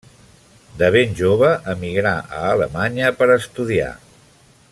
De ben jove emigrà a Alemanya per estudiar.